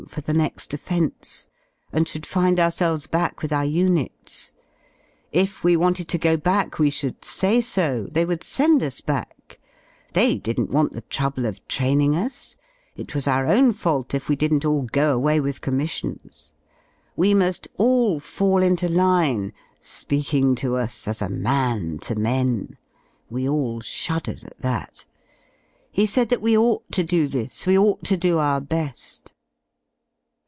for the next offence and should find ourselves back with our units. If we wanted to go back we should say so, they would send us back; they didn't want the trouble of training us: it was our own fault if we didn't all go away with commissions. JVe muR all fall into line, speakiftg to us as a man to men (we all shuddered at that}. He said that we ought to do this, we ought to do our beSi.